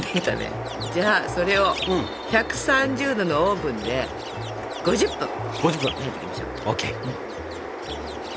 じゃあそれを１３０℃のオーブンで５０分焼いていきましょう。